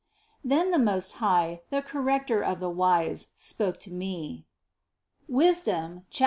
Then the Most High, the Corrector of the wise, spoke to me (Sap.